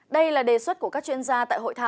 đây là đề xuất của các chuyên gia tại hội thảo